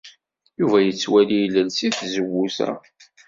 Yuba yettwali ilel seg tzewwut-a.